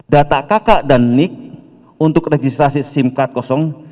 data kakak dan nik untuk registrasi sim card kosong